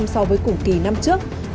chín so với cùng kỳ năm trước